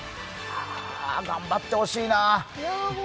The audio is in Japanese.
頑張ってほしいな！